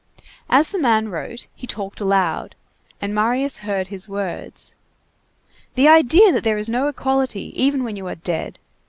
As the man wrote, he talked aloud, and Marius heard his words:— "The idea that there is no equality, even when you are dead!